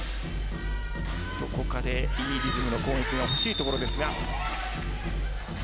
どこかでいいリズムの攻撃がほしいところですが。